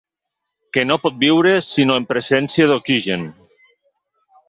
Que no pot viure sinó en presència d'oxigen.